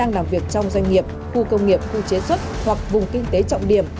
đang làm việc trong doanh nghiệp khu công nghiệp khu chế xuất hoặc vùng kinh tế trọng điểm